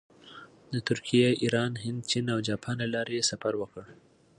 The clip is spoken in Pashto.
د ترکیې، ایران، هند، چین او جاپان له لارې یې سفر وکړ.